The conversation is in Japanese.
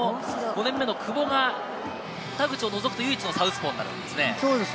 ５年目の久保が、田口を除くと唯一のサウスポーなんですね。